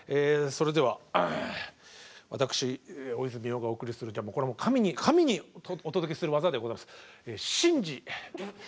それでは私大泉洋がお送りするこれ神にお届けする技でございます